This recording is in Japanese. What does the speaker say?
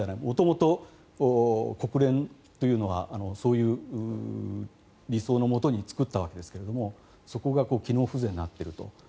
元々、国連というのはそういう理想のもとに作ったわけですけどもそこが機能不全になっていると。